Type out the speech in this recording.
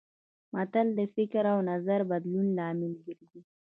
متل د فکر او نظر د بدلون لامل ګرځي